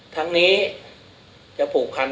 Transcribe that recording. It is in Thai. ทั้งนี้จะผูกพัน